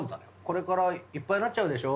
これからいっぱいになっちゃうでしょ？